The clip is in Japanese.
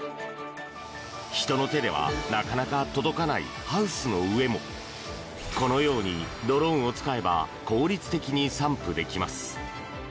人の手ではなかなか届かないハウスの上もこのようにドローンを使えば効率的に散布できます。